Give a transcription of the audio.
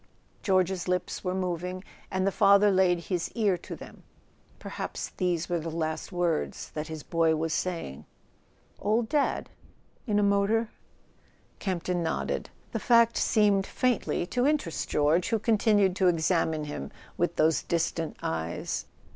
George's lips were moving, and the father laid his ear to them; perhaps these were last words that his boy was saying. "Old Dad—in a motor?" Campton nodded. The fact seemed faintly to interest George, who continued to examine him with those distant eyes.